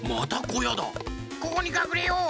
ここにかくれよう！